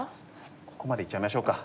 ここまでいっちゃいましょうか。